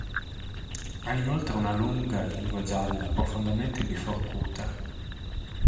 Ha inoltre una lunga lingua gialla profondamente biforcuta.